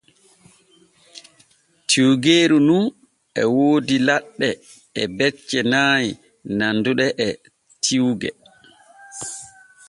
Tiwgeeru nu e woodi laɗɗe e becce nay nanduɗe e tiwge.